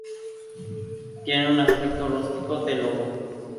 Tiene un aspecto rústico, de lobo.